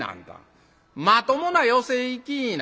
まともな寄席行きいな。